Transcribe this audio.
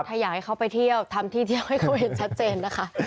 ถ้าอยากให้เขาไปเที่ยวทำที่เที่ยวให้เขาเห็นชัดเจนนะคะ